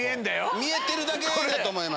見えてるだけだと思います。